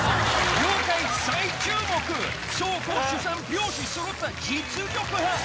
業界最注目、走攻守三拍子そろった実力派。